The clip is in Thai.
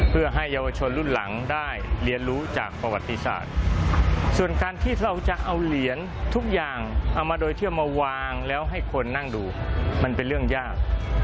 เพื่อให้เยาวชนรุ่นหลังได้เรียนรู้จากประวัติศาสตร์ส่วนการที่เราจะเอาเหรียญทุกอย่างเอามาโดยเที่ยวมาวางแล้วให้คนนั่งดูมันเป็นเรื่องยาก